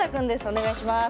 お願いします。